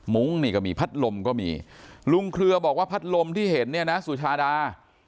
นี่ก็มีพัดลมก็มีลุงเครือบอกว่าพัดลมที่เห็นเนี่ยนะสุชาดา